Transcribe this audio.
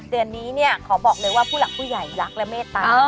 เดือนนี้ขอบอกเลยว่าผู้หลักผู้ใหญ่รักและเมตตา